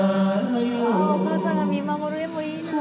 お母さんが見守る画もいいなあ。